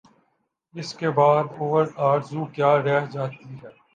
اس کے بعد اور آرزو کیا رہ جاتی ہے؟